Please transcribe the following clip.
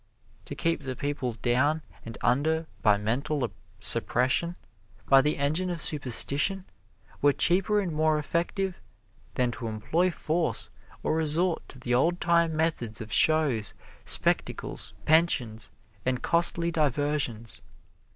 To keep the people down and under by mental suppression by the engine of superstition were cheaper and more effective than to employ force or resort to the old time methods of shows, spectacles, pensions and costly diversions.